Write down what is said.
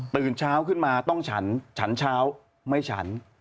ตื่นเช้าขึ้นมาต้องฉันฉันเช้าไม่ฉัน